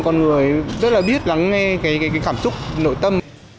con người rất là biết lắng nghe cái cảm xúc nội tâm